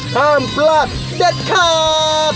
ห้ามพลาดเด็ดขาด